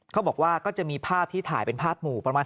ก็จะมีภาพที่ถ่ายเป็นภาพหมู่ประมาณ